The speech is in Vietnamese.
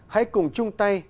hãy cùng chung tay